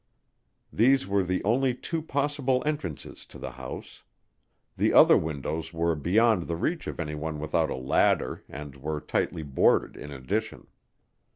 These were the only two possible entrances to the house; the other windows were beyond the reach of anyone without a ladder and were tightly boarded in addition.